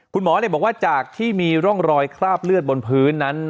คุณหมอบอกว่าจากที่มีร่องรอยคราบเลือดบนพื้นนั้น